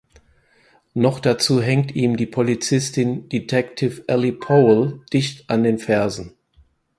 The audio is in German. Noch dazu hängt ihm die Polizistin Detective Allie Powell dicht an den Fersen.